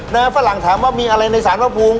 แล้วฝรั่งถามว่ามีอะไรในสหรัฐภูมิ